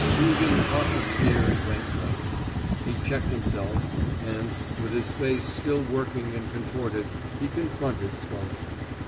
Meaghan caught the sneer and went white. He checked himself, and, with his face still working and contorted, he confronted Scully.